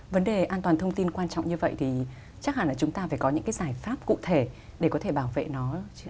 vấn đề an toàn thông tin quan trọng như vậy thì chắc hẳn là chúng ta phải có những cái giải pháp cụ thể để có thể bảo vệ nó